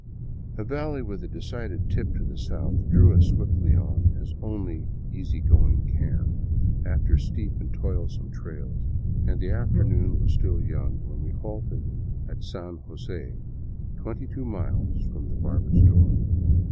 A valley with a decided tip to the south drew us swiftly on, as only easy going can, after steep and toilsome trails, and the afternoon was still young when we halted at San Jose, twenty two miles from the barber's door.